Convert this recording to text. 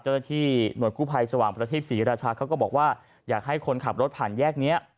เจ้าหน้าที่หน่วยกู้ภัยสว่างประทีปศรีราชาเขาก็บอกว่าอยากให้คนขับรถผ่านแยกนี้